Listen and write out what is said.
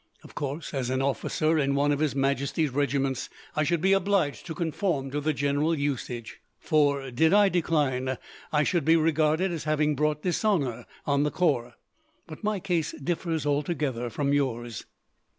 Of course, as an officer in one of His Majesty's regiments, I should be obliged to conform to the general usage; for, did I decline, I should be regarded as having brought dishonour on the corps. But my case differs altogether from yours.